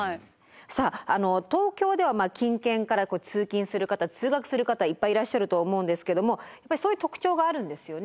さあ東京では近県から通勤する方通学する方いっぱいいらっしゃると思うんですけどもやっぱりそういう特徴があるんですよね？